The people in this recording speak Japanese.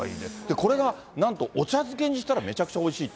これがなんとお茶漬けにしたら、めちゃくちゃおいしいって。